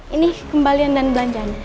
ini kembalian dan belanjaannya